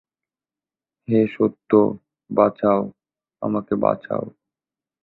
হে সত্য, বাঁচাও, আমাকে বাঁচাও।